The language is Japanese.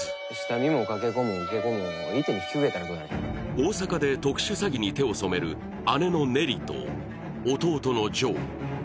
大阪で特殊詐欺に手を染める、姉のネリと弟のジョー。